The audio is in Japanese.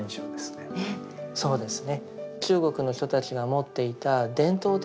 そうですね。